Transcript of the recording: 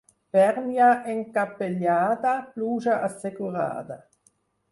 Bèrnia encapellada, pluja assegurada.